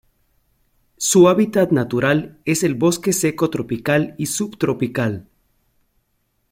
Su hábitat natural es el bosque seco tropical y subtropical.